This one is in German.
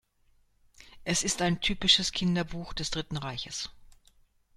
Es ist ein typisches Kinderbuch des Dritten Reiches.